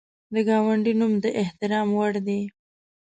د ګاونډي نوم د احترام وړ دی